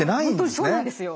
本当にそうなんですよ。